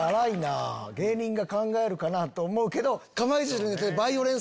芸人が考えるかな？と思うけど。